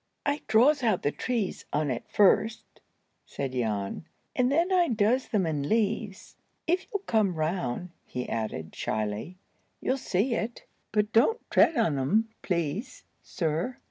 "I draws out the trees on it first," said Jan, "and then I does them in leaves. If you'll come round," he added, shyly, "you'll see it. But don't tread on un, please, sir."